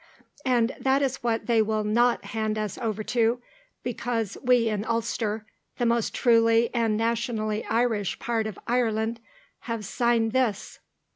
And that is what they will not hand us over to, because we in Ulster, the most truly and nationally Irish part of Ireland, have signed this."